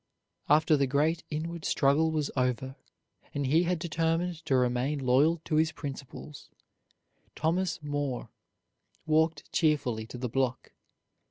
After the great inward struggle was over, and he had determined to remain loyal to his principles, Thomas More walked cheerfully to the block.